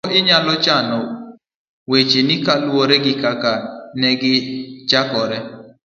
seche moko inyalo chano wecheni kaluwore gi kaka ne gichakore